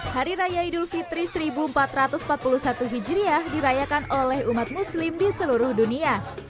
hari raya idul fitri seribu empat ratus empat puluh satu hijriah dirayakan oleh umat muslim di seluruh dunia